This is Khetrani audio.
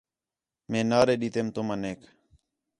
مئے نعرے ݙیتیم تُمنیک